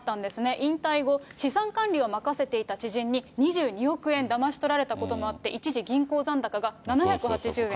引退後、資産管理を任せていた知人に２２億円だまし取られたこともあって、一時、銀行残高が７８０円。